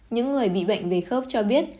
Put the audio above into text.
những người bị bệnh về khớp cho biết